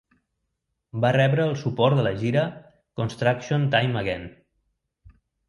Va rebre el suport de la gira "Construction Time Again".